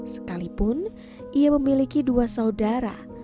sekalipun ia memiliki dua saudara